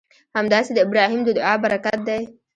همداسې د ابراهیم د دعا برکت دی.